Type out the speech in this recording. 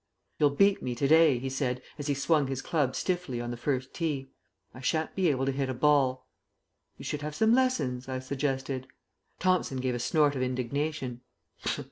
"You'll beat me to day," he said, as he swung his club stiffly on the first tee; "I shan't be able to hit a ball." "You should have some lessons," I suggested. Thomson gave a snort of indignation.